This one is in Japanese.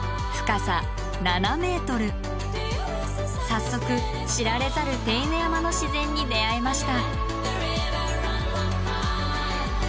早速知られざる手稲山の自然に出会えました。